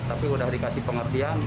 tapi sudah dikasih pengertian